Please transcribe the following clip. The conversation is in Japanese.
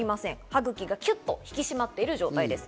歯茎がキュッと引き締まっている状態です。